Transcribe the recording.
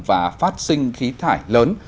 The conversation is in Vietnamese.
và phát sinh khí thải lớn